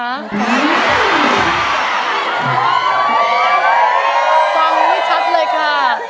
ฟังไม่ชัดเลยค่ะ